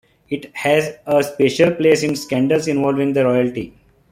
It has a special place in scandals involving the royalty.